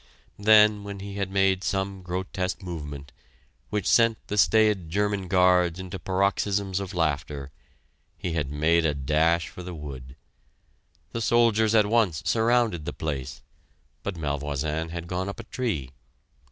Then, when he had made some grotesque movement, which sent the staid German guards into paroxysms of laughter, he had made a dash for the wood. The soldiers at once surrounded the place, but Malvoisin had gone up a tree.